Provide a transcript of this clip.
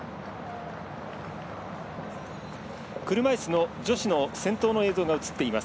車いすの女子の先頭の映像が映っています。